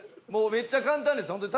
めっちゃ簡単です本当に。